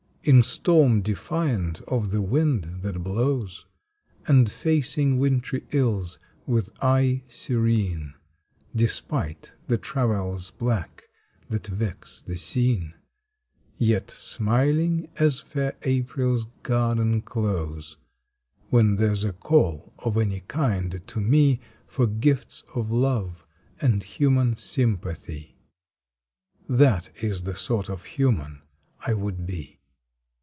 In storm defiant of the wind that blows, And facing wintry ills with eye serene Despite the travails black that vex the scene, Yet smiling as fair April s Garden Close When there s a call of any kind to me For gifts of Love and human Sympathy That is the sort of human I would be!